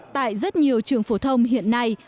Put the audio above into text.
tại rất nhiều trường phổ thông hiện nay